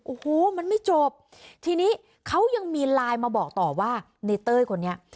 โอ้โหมันไม่จบทีนี้เขายังมีไลน์มาบอกต่อว่าในเต้ยคนนี้